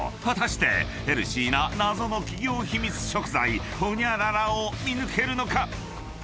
［果たしてヘルシーな謎の企業秘密食材ホニャララを見抜けるのか⁉］